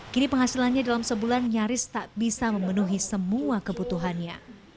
kini penghasilannya dalam sebulan nyaris tak bisa memenuhi semua kebutuhannya